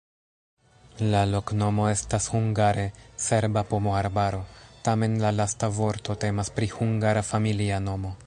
La loknomo estas hungare: serba-pomoarbaro, tamen la lasta vorto temas pri hungara familia nomo.